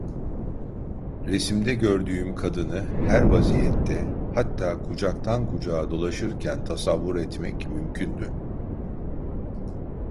Resimde gördüğüm kadını her vaziyette, hatta kucaktan kucağa dolaşırken tasavvur etmek mümkündü.